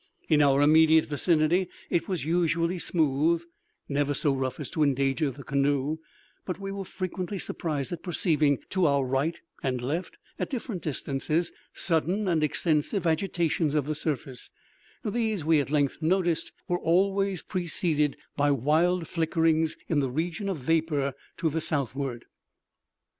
In our immediate vicinity it was usually smooth, never so rough as to endanger the canoe—but we were frequently surprised at perceiving, to our right and left, at different distances, sudden and extensive agitations of the surface; these, we at length noticed, were always preceded by wild flickerings in the region of vapor to the southward.